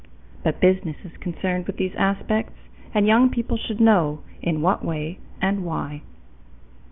But business is concerned with these aspects and young people should know in what way and why.